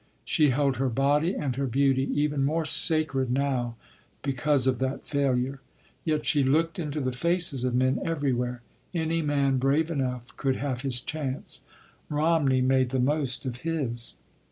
She held her body and her beauty even more sacred now because of that failure. Yet she looked into the faces of men everywhere. Any man brave enough could have his chance. Romney made the most of his.